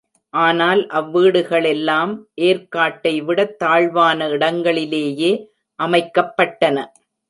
ஆனால் அவ் வீடுகளெல்லாம் ஏர்க்காட்டை விடத் தாழ்வான இடங்களிலேயே அமைக்கப்பட்டன.